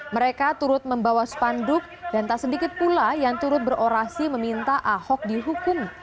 mereka turut membawa spanduk dan tak sedikit pula yang turut berorasi meminta ahok dihukum